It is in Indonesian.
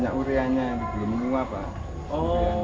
salah satu ukuran kesuksesan kemandirian energi di desa argo